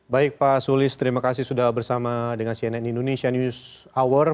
baik pak sulis terima kasih sudah bersama dengan cnn indonesia news hour